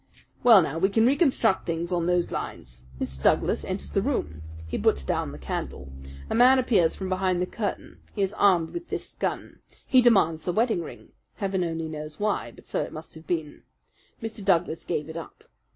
"Well, now, we can reconstruct things on those lines. Mr. Douglas enters the room. He puts down the candle. A man appears from behind the curtain. He is armed with this gun. He demands the wedding ring Heaven only knows why, but so it must have been. Mr. Douglas gave it up.